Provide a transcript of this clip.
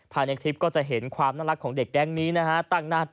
ภายในคลิปก็จะเห็นความน่ารักของเด็กแก๊งนี้นะฮะ